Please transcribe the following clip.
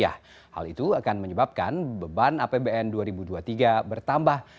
hal itu akan menyebabkan beban apbn dua ribu dua puluh tiga bertambah